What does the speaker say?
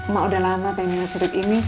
mak udah lama pengen lihat sirup ini